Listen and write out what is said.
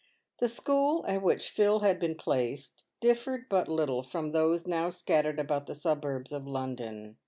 The school at which Phil had been placed differed but little from those now scattered about the suburbs of London.